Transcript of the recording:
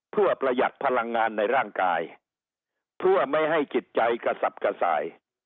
เพื่อประหยัดพลังงานในร่างกายเพื่อไม่ให้จิตใจกระสับกระส่าย